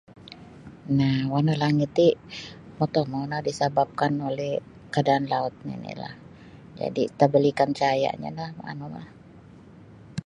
Nah warna langit ti motomou no disabapkan oleh kaadaan laut nini'lah jadi tabalikan cahaya'nyo no manulah.